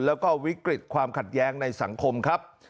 แล้วก็วิกฤตความขัดแย้งในสังคมครับ